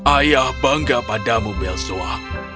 ayah bangga padamu belzoa